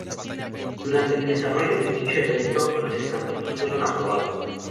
Durante el desarrollo de dicho evento, los estatutos fueron aprobados.